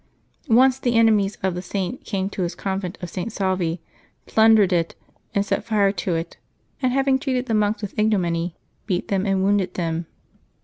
Once the enemies of the Saint came to his convent of St. Salvi, plundered it, and set fire to it, and having treated the monks w4th ignominy, beat them and wounded them.